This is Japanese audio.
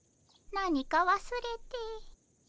何かわすれて。